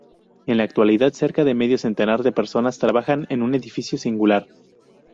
En la actualidad cerca de medio centenar de personas trabajan en un edificio singular.